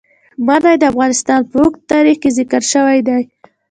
منی د افغانستان په اوږده تاریخ کې ذکر شوی دی.